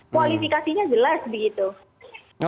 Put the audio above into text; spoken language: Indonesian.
kualifikasinya jelas begitu